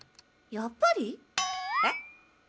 やっぱり？え？